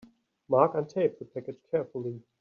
Mark untaped the package carefully.